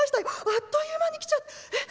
あっという間に来ちゃえっ